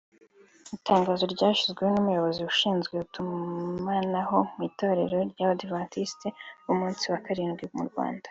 Itangazo ryasinyweho n’Umuyobozi ushinzwe Itumanaho mu itorero ry’Abadiventisiti b’umunsi wa karindwi mu Rwanda